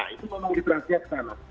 itu memang diperhatikan